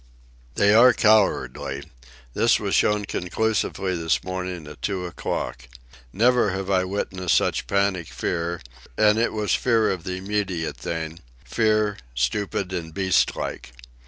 They are cowardly. This was shown conclusively this morning at two o'clock. Never have I witnessed such panic fear, and it was fear of the immediate thing—fear, stupid and beast like.